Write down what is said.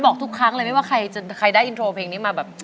บอกทุกครั้งเลยไม่ว่าใครได้อินโทรเพลงนี้มาแบบ